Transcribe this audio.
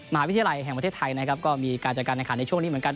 มหาวิทยาลัยแห่งประเทศไทยนะครับก็มีการจัดการแข่งขันในช่วงนี้เหมือนกัน